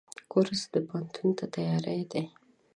کورس د پوهنتون ته تیاری دی.